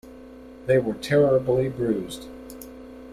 They were terribly bruised.